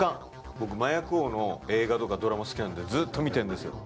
僕、麻薬王の映画とかドラマが好きなんでずっと見てるんですよ。